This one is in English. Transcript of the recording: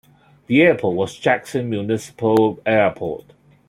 The airport was "Jackson Municipal Airport".